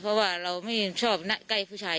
เพราะว่าเราไม่ชอบนะใกล้ผู้ชาย